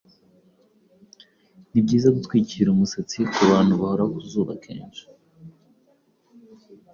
ni byiza gutwikira umusatsi ku bantu bahora ku zuba kenshi.